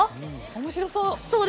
面白そう。